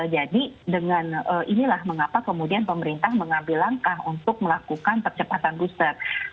jadi inilah mengapa kemudian pemerintah mengambil langkah untuk melakukan persepatan booster